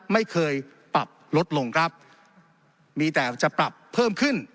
ไม่เคยปรับลดลงครับมีแต่จะปรับเพิ่มขึ้น